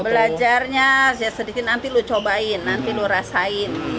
belajarnya ya sedikit nanti lo cobain nanti lo rasain